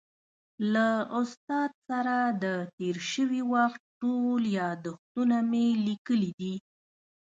له استاد سره د تېر شوي وخت ټول یادښتونه مې لیکلي دي.